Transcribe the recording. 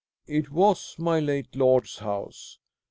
"It was my late lord's house.